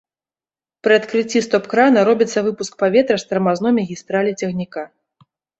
Пры адкрыцці стоп-крана робіцца выпуск паветра з тармазной магістралі цягніка.